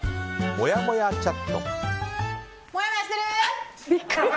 もやもやチャット。